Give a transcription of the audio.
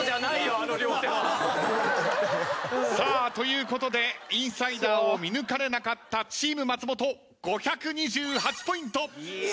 あの両手は。ということでインサイダーを見抜かれなかったチーム松本５２８ポイント。